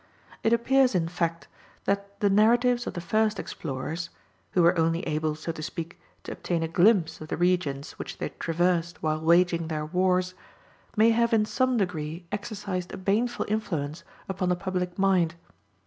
It appears in fact, that the narratives of the first explorers who were only able, so to speak, to obtain a glimpse of the regions which they traversed while waging their wars, may have in some degree exercised a baneful influence upon the public mind.